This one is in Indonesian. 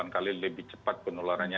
tujuh delapan kali lebih cepat penularannya